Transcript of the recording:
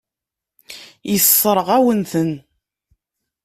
Yessṛeɣ-awen-ten.